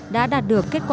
đã đạt được kết quả